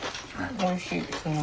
おいしい。